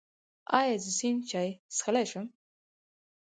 ایا زه شین چای څښلی شم؟